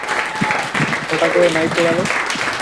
ঘটা করে নাই পোড়ালে?